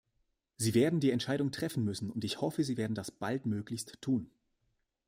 Sie werden die Entscheidung treffen müssen, und ich hoffe, Sie werden das baldmöglichst tun.